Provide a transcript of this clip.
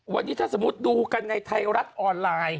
วันนี้ถ้าสมมุติดูกันในไทยรัฐออนไลน์